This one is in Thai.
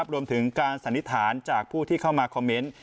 รวมถึงการสันนิษฐานจากผู้ที่เข้ามาคอมเมนต์